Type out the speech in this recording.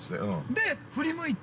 ◆で、振り向いて。